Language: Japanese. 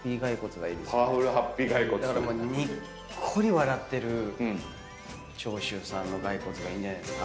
だからにっこり笑ってる長州さんのガイコツがいいんじゃないですか。